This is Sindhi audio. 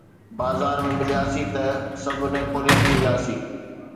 بازار ۾ ملياسين ته سڀ نيپولين ٿي وياسين.